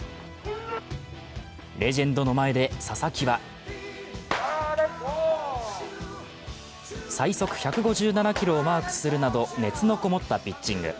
レジェンドの前で佐々木は最速１５７キロをマークするなど熱のこもったピッチング。